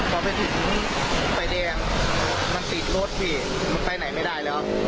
พอไปถึงไฟแดงมันติดรถพี่มันไปไหนไม่ได้แล้ว